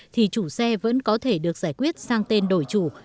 thì chủ xe vẫn có thể được giải quyết sang tên đổi chủ